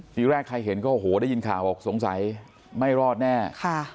ทีแรกใครเห็นก็โอ้โหได้ยินข่าวบอกสงสัยไม่รอดแน่